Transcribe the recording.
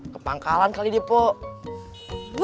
kemangkalan kali dia pok